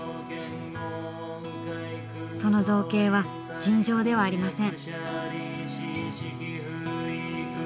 その造詣は尋常ではありません。